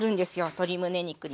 鶏むね肉に。